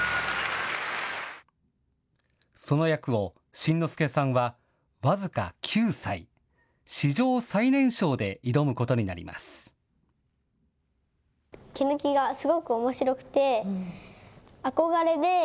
その役を新之助さんは僅か９歳、史上最年少で挑むことになります。